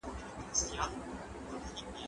میتافزیکي مرحله تر دې وروسته راځي.